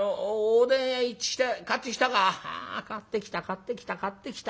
「ああ買ってきた買ってきた買ってきた。